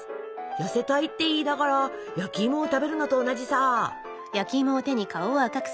「やせたいっていいながらヤキイモを食べるのとおなじさ」。